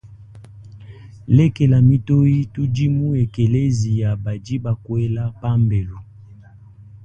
Lekela mitoyi tudi mu ekeleziya badi bakuela pambelu.